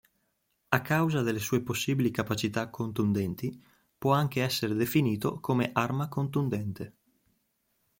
A causa delle sue possibili capacità contundenti può anche essere definito come arma contundente.